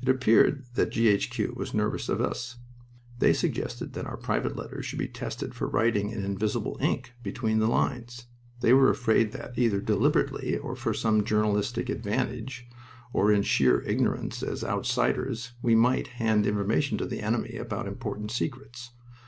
It appeared that G. H. Q. was nervous of us. They suggested that our private letters should be tested for writing in invisible ink between the lines. They were afraid that, either deliberately for some journalistic advantage, or in sheer ignorance as "outsiders," we might hand information to the enemy about important secrets.